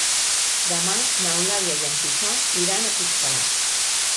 Demà n'Eulàlia i en Quixot iran a Puigpelat.